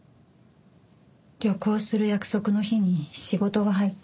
旅行する約束の日に仕事が入って。